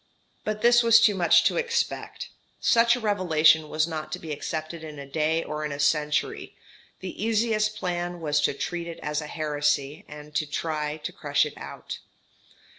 But this was too much to expect. Such a revelation was not to be accepted in a day or in a century the easiest plan was to treat it as a heresy, and try to crush it out.